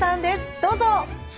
どうぞ！